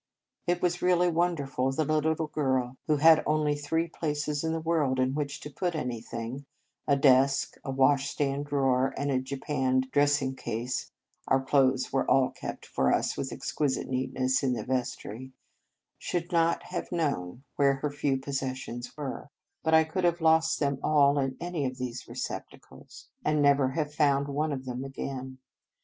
It was really wonderful that a little girl who had only three places in the world in which to put anything a desk, a washstand drawer, and a japanned dressing case (our clothes were all kept for us with exquisite neatness in the vestry) should not have known where her few posses sions were; but I could have lost them all in any of these receptacles, and never have found one of them again.